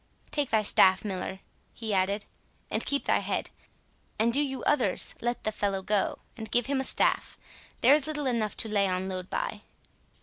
—Take thy staff, Miller," he added, "and keep thy head; and do you others let the fellow go, and give him a staff—there is light enough to lay on load by."